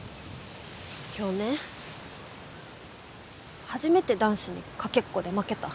今日ね初めて男子にかけっこで負けた。